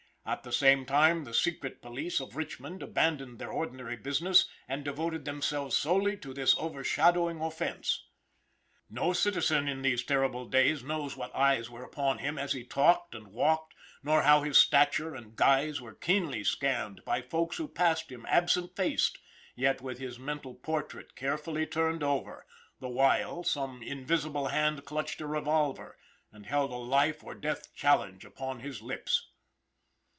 At the same time the secret police of Richmond abandoned their ordinary business, and devoted themselves solely to this overshadowing offense. No citizen, in these terrible days, knows what eyes were upon him as he talked and walked, nor how his stature and guise were keenly scanned by folks who passed him absent faced, yet with his mental portrait carefully turned over, the while some invisible hand clutched a revolver, and held a life or death challenge upon his lips.